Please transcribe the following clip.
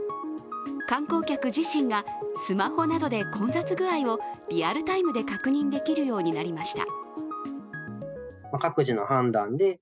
観光客自身がスマホなどで混雑具合をリアルタイムで確認できるようになりました。